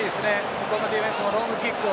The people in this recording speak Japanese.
向こうのディフェンスもロングキックを。